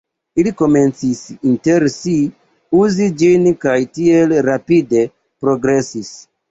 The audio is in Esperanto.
Ili komencis inter si uzi ĝin kaj tiel rapide progresis.